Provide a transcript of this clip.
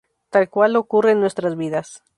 Tal cual ocurre en nuestras vidas.